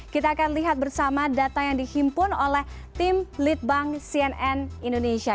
kita akan lihat bersama data yang dihimpun oleh tim litbang cnn indonesia